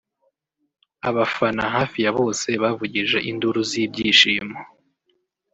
Abafana hafi ya bose bavugije induru z’ibyishimo